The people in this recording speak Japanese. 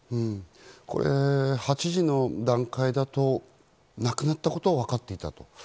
８時の段階だと、亡くなったことはわかっていたと。